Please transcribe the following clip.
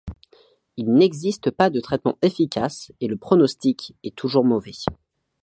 Il n'existe pas de traitement efficace et le prognostic est toujours mauvais.